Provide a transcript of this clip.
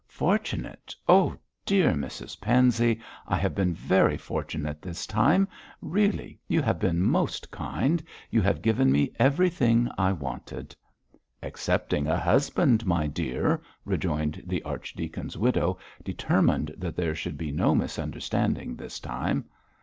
'Fortunate! Oh, dear Mrs Pansey, I have been very fortunate this time. Really, you have been most kind; you have given me everything I wanted.' 'Excepting a husband, my dear,' rejoined the archdeacon's widow, determined that there should be no misunderstanding this time.